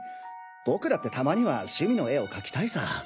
僕だってたまには趣味の絵を描きたいさ。